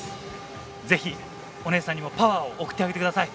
ぜひお姉さんにもパワーを送ってあげてください。